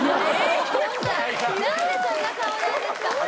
何でそんな顔なんですか。